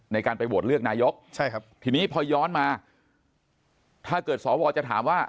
ในการไปโบสถ์เลือกนายกทีนี้พอย้อนมาถ้าเกิดสอบวอลจะถามว่า